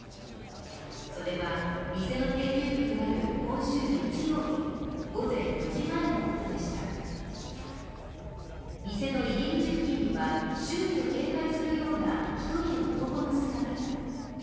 それは店の定休日となる今週月曜日午前４時前のことでした店の入り口付近には、周囲を警戒するような１人の男の姿が。